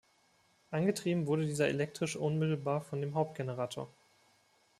Angetrieben wurde dieser elektrisch unmittelbar von dem Hauptgenerator.